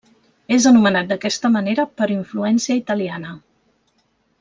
És anomenat d'aquesta manera per influència italiana.